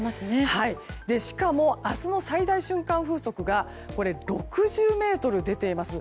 しかも、明日の最大瞬間風速が６０メートルと出ています。